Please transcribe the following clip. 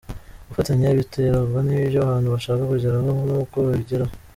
Gufatanya biterwa n’ibyo abantu bashaka kugeraho nuko babigeraho.